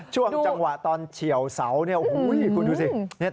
ช่วงจังหวะตอนเฉียวเสาคุณดูสิ